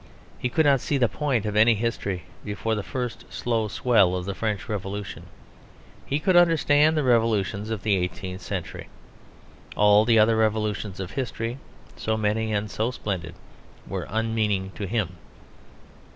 He could not see the point of any history before the first slow swell of the French Revolution. He could understand the revolutions of the eighteenth century; all the other revolutions of history (so many and so splendid) were unmeaning to him.